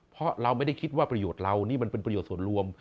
เพราะเราไม่ได้คิดว่าประโยชน์เรานี่มันเป็นประโยชน์ส่วนรวม